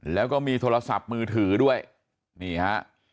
แล้วก็มีโทรศัพท์มือถือด้วยนี่ฮะ